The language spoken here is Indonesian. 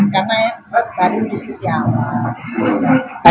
karena baru diskusi awal